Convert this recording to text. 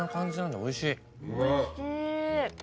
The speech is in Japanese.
おいしい。